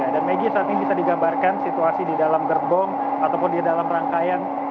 dan maggie saat ini bisa digambarkan situasi di dalam gerbong ataupun di dalam rangkaian